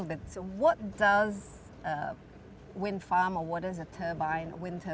apa itu permainan udara atau apa yang terdapat dalam turbine udara